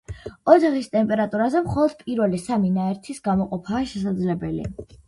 ოთახის ტემპერატურაზე მხოლოდ პირველი სამი ნაერთის გამოყოფაა შესაძლებელი.